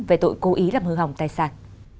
về tội cố ý lập hư hỏng tài sản